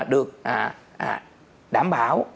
được đảm bảo